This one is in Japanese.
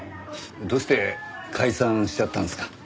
どうして解散しちゃったんですか？